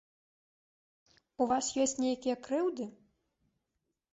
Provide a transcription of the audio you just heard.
У вас ёсць нейкія крыўды?